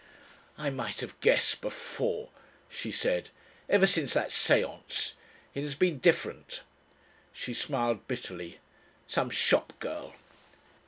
"I might have guessed before," she said. "Ever since that séance. It has been different ..." She smiled bitterly. "Some shop girl